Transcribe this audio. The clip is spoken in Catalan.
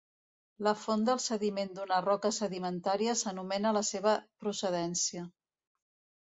La font del sediment d'una roca sedimentària s'anomena la seva procedència.